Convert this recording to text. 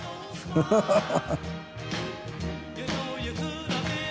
アハハハ。